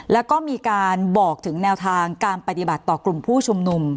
แล้วก็มีการบอกถึงแนวทางการปฏิบัติต่อกลุ่มผู้ชุมนุม